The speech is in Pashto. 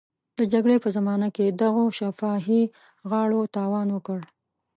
د جګړې په زمانه کې دغو شفاهي غاړو تاوان وکړ.